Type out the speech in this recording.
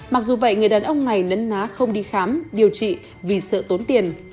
mặc dù vậy người đàn ông này nấn ná không đi khám điều trị vì sợ tốn tiền